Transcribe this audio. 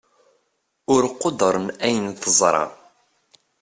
ur quddren ayen teẓṛa